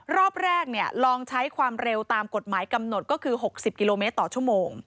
รอบแรกลองใช้ความเร็วตามกฎหมายกำหนดก็คือ๖๐กิโลเมตรต่อชั่วโมง